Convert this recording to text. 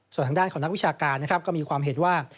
ส่วนทางด้านของนักวิชาการนะครับก็มีความเห็นว่า